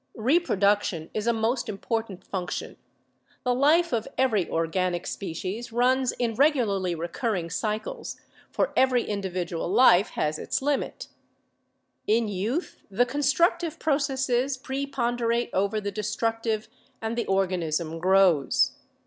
Reproduction is a most important function. The life of every organic species runs in regularly Fig. 14 — Sensitive Plant, Before and After 'Alarm.' (Duchartre.) recurring cycles, for every individual life has its limit. In youth the constructive processes preponderate over the destructive and the organism grows.